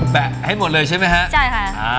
แบ่งให้หมดเลยใช่ไหมฮะ